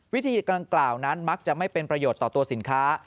วิธีดังกล่าวนั้นมักจะไม่เป็นประโยชน์ต่อตัวสินค้า